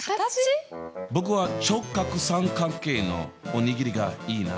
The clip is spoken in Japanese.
僕は直角三角形のお握りがいいな。